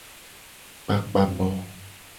Kpakpa bo.